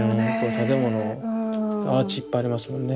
建物アーチいっぱいありますもんね。